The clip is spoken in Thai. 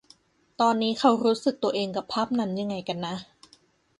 ตอนนี้เค้ารู้สึกตัวเองกับภาพนั้นยังไงกันนะ